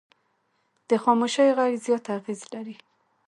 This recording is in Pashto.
د خاموشي غږ زیات اغېز لري